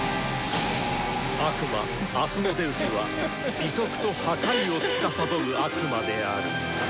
悪魔「アスモデウス」は「美徳」と「破壊」をつかさどる悪魔である。